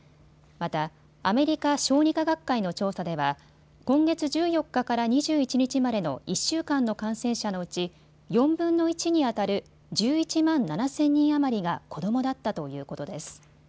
また、アメリカ小児科学会の調査では今月１４日から２１日までの１週間の感染者のうち４分の１にあたる１１万７０００人余りが子どもだったということです。